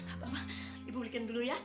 gapapa ibu belikan dulu ya